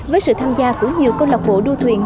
với sự tham gia của nhiều công lộc bộ đua thuyền